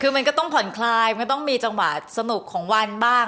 คือมันก็ต้องผ่อนคลายมันต้องมีจังหวะสนุกของวันบ้าง